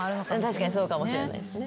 確かにそうかもしれないですね。